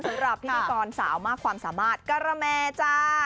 สำหรับพิธีกรสาวมากความสามารถการะแมจ้า